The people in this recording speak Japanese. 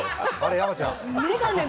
山ちゃん！